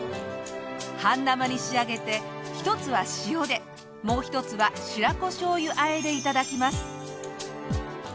半生に仕上げて１つは塩でもう１つは白子しょうゆ和えで頂きます。